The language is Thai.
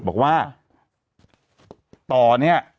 บอกว่าต่อเนี่ย